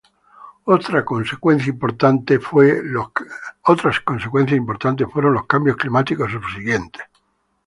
Otra consecuencia importante fueron los cambios climáticos subsiguientes.